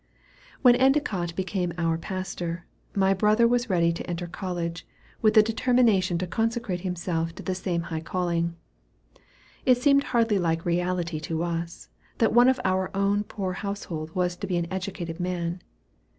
When Endicott became our pastor, my brother was ready to enter college, with the determination to consecrate himself to the same high calling. It seemed hardly like reality to us, that one of our own poor household was to be an educated man.